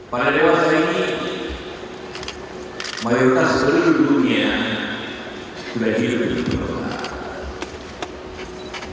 pada dewasa ini mayoritas seluruh dunia sudah jiru jiru